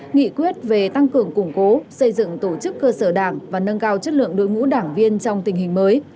nghị quyết về tăng cường củng cố xây dựng tổ chức cơ sở đảng và nâng cao chất lượng đối ngũ đảng viên trong tình hình mới